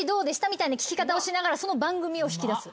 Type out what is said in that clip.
みたいな聞き方をしながらその番組を引き出す。